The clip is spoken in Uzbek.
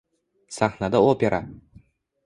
Sahnada opera